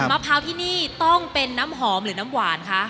มะพร้าวที่นี่ต้องเป็นน้ำหอมหรือน้ำหวานคะ